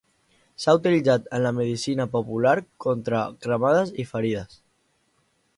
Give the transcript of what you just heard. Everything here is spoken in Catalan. S'ha utilitzat en la medicina popular contra cremades i ferides.